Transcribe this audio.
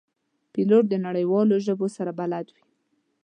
پیلوټ د نړیوالو ژبو سره بلد وي.